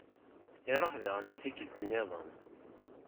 Iṛuḥ daɣen i tikkelt-nniḍen.